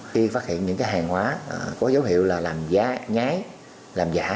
khi phát hiện những hàng hóa có dấu hiệu là làm giá nhái làm giả